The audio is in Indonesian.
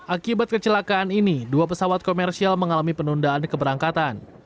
akibat kecelakaan ini dua pesawat komersial mengalami penundaan keberangkatan